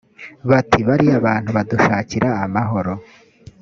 bati bariya bantu badushakira amahoro